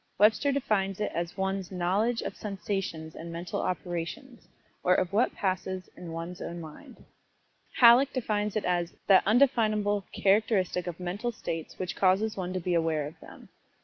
Webster defines it as one's "knowledge of sensations and mental operations, or of what passes in one's own mind." Halleck defines it as "that undefinable characteristic of mental states which causes one to be aware of them."